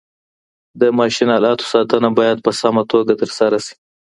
د ماشین آلاتو ساتنه باید په سمه توګه ترسره سي.